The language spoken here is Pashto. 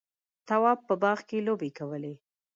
تواب په باغ کې لوبې کولې.